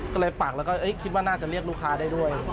ก็เลยปักแล้วก็คิดว่าน่าจะเรียกลูกค้าได้ด้วย